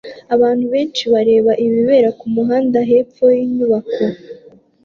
Abantu benshi bareba ibibera kumuhanda hepfo yinyubako